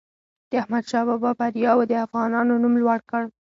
د احمدشاه بابا بریاوو د افغانانو نوم لوړ کړ.